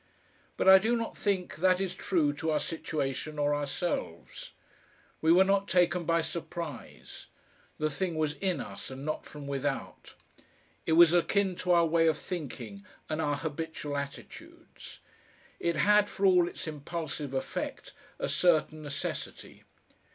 But I do not think that is true to our situation or ourselves. We were not taken by surprise. The thing was in us and not from without, it was akin to our way of thinking and our habitual attitudes; it had, for all its impulsive effect, a certain necessity.